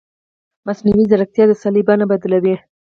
مصنوعي ځیرکتیا د سیالۍ بڼه بدلوي.